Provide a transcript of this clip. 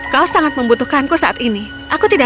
kau sangat membutuhkanku saat ini aku tidak